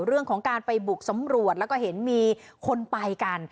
เรื่องของการไปบุกสำรวจแล้วก็เห็นมีคนไปกัน